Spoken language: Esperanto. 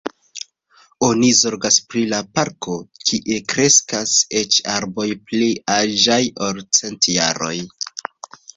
Oni zorgas pri la parko, kie kreskas eĉ arboj pli aĝaj, ol cent jaroj.